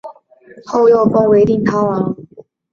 后又封为定陶王。